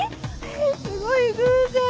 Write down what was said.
えっすごい偶然。